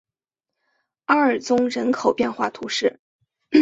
阿尔宗人口变化图示